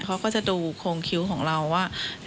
เขาก็จะดูโครงคิ้วของเราว่า